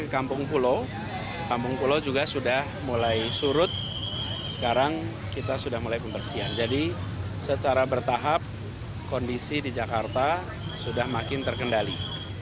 kondisi di jakarta sudah makin terkendali